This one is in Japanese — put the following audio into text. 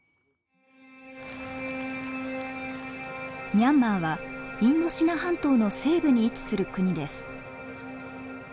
ミャンマーはインドシナ半島の西部に位置する国です。